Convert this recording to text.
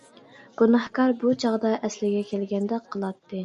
گۇناھكار بۇ چاغدا ئەسلىگە كەلگەندەك قىلاتتى.